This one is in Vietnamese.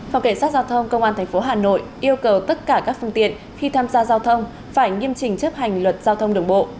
phòng cảnh sát giao thông công an tp hà nội yêu cầu tất cả các phương tiện khi tham gia giao thông phải nghiêm trình chấp hành luật giao thông đường bộ